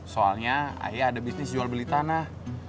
soalnya ayah ada bisnis jual beli tanah